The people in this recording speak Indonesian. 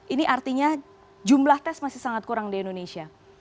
ini artinya jumlah tes masih sangat kurang di indonesia